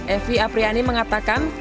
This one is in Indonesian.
evi apriani mengatakan